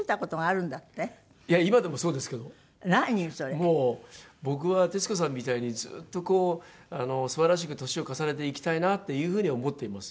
もう僕は徹子さんみたいにずっとこう素晴らしく年を重ねていきたいなっていう風には思っています。